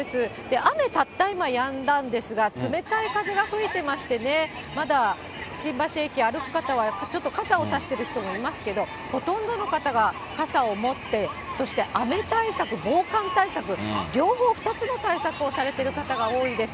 雨はやんだんですが、冷たい風は吹いてましてね、まだ新橋駅、歩く方はちょっと、傘を差している人もいますけれども、ほとんどの方が傘を持って、そして雨対策、防寒対策、両方２つの対策をされている方が多いです。